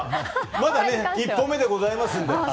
まだ一歩目でございますので。